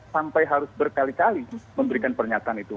sampai harus berkali kali memberikan pernyataan itu